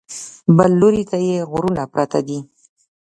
بل لوري ته یې غرونه پراته دي.